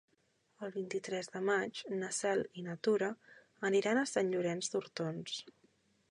El vint-i-tres de maig na Cel i na Tura aniran a Sant Llorenç d'Hortons.